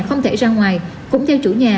không thể ra ngoài cũng theo chủ nhà